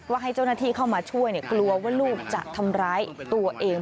ให้เจ้าหน้าที่เข้ามาช่วยกลัวว่าลูกจะทำร้ายตัวเอง